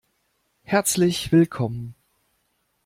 Herzlich willkommen!